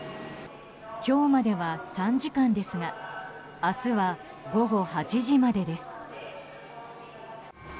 今日までは３時間ですが明日は午後８時までです。